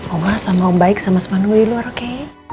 omah sama om baik sama spanul di luar oke